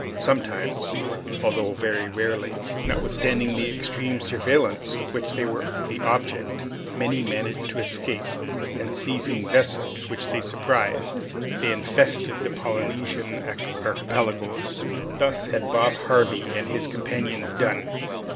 Sometimes, although very rarely, notwithstanding the extreme surveillance of which they were the object, many managed to escape, and seizing vessels which they surprised, they infested the Polynesian Archipelagoes. Thus had Bob Harvey and his companions done.